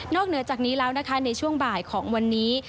เหนือจากนี้แล้วนะคะในช่วงบ่ายของวันนี้